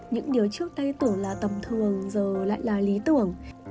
những điều trước đây tưởng là tầm thường giờ lại là lý tưởng